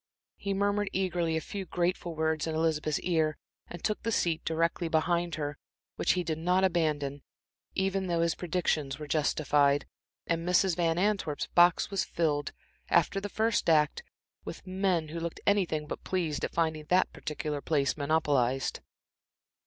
He murmured eagerly a few grateful words in Elizabeth's ear, and took the seat directly behind her, which he did not abandon, even though his predictions were justified, and Mrs. Van Antwerp's box was filled, after the first act, with men who looked anything but pleased at finding that particular place monopolized.